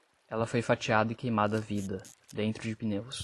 Ela foi fatiada e queimada vida, dentro de pneus